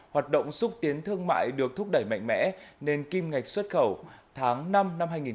hoạt động xúc tiến thương mại được thúc đẩy mạnh mẽ nên kim ngạch xuất khẩu tháng năm năm